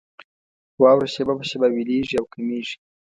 واوره شېبه په شېبه ويلېږي او کمېږي.